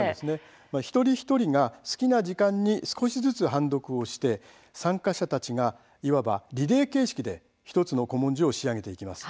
一人一人が好きな時間に少しずつ判読をして参加者たちがいわばリレー形式で１つの古文書を仕上げていきます。